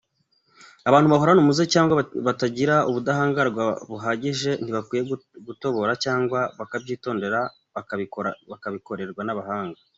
Abantu bahorana umuze cyangwa batagira ubudahangarwa buhagije ntibakwiye gutobora cyangwa bakabyitondera bakabikorerwa n’abahanga.